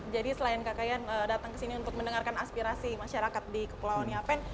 jadi selain kak kayan datang kesini untuk mendengarkan aspirasi masyarakat di kepulauan yapen